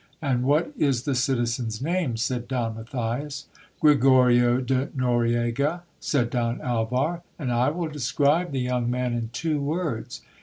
And what is the citizen's name? said Don Matthias. Gregorio de Noriega, said Don Alvar, and I will describe the young man in two words.